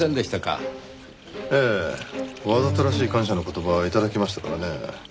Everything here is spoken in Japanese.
ええ。わざとらしい感謝の言葉を頂きましたからね。